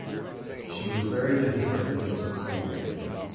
She was buried in her birthplace of Columbia.